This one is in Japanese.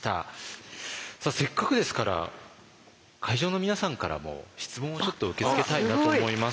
せっかくですから会場の皆さんからも質問をちょっと受け付けたいなと思います。